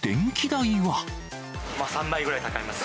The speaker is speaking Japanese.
３倍ぐらいかかります。